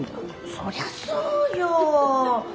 そりゃそうよ。